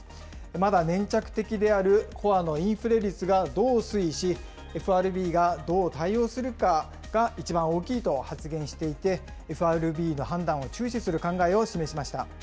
まだ粘着的であるコアのインフレ率がどう推移し、ＦＲＢがどう対応するかが一番大きいと発言していて、ＦＲＢの判断を注視する考えを示しました。